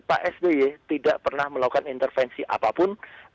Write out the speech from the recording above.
bumb tidak pernah melakukan intervensi apapun